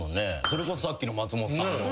それこそさっきの松本さんの。